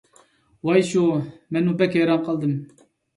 ۋاي شۇ، مەنمۇ بەك ھەيران قالدىم.